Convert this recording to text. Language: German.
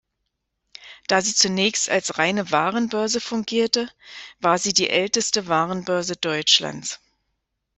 Da sie zunächst als reine Warenbörse fungierte, war sie die älteste Warenbörse Deutschlands.